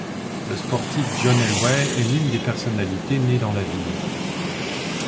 Le sportif John Elway est l'une des personnalités nées dans la ville.